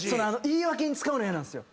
言い訳に使うの嫌なんですよ。